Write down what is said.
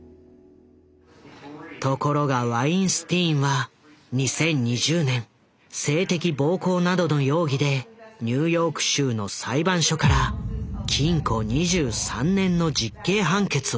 ところがワインスティーンは２０２０年性的暴行などの容疑でニューヨーク州の裁判所から禁固２３年の実刑判決を受ける。